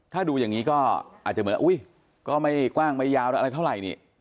ถ้าดูอย่างนี้ก็อาจจะเหมือนอุ๊ยก็ไม่กว้างไม่ยาวอะไรเท่าไหร่นี่